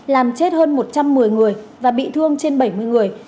làm chết hơn một trăm một mươi người và bị thương trên bảy mươi người